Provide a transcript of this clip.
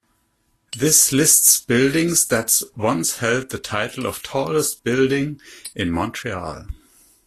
This lists buildings that once held the title of tallest building in Montreal.